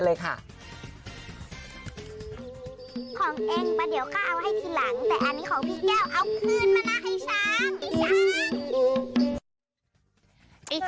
ของเองมาเดี๋ยวก็เอาให้ทีหลัง